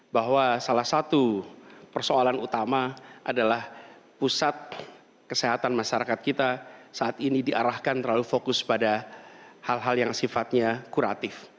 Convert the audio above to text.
bahwa salah satu persoalan utama adalah pusat kesehatan masyarakat kita saat ini diarahkan terlalu fokus pada hal hal yang sifatnya kuratif